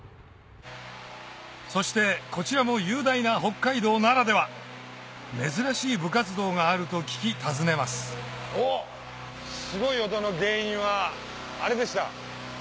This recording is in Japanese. そしてこちらも雄大な北海道ならでは珍しい部活動があると聞き訪ねますおっすごい音の原因はあれでした。